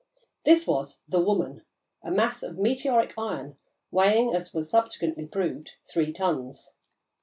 ] This was "the woman," a mass of meteoric iron weighing, as was subsequently proved, three tons.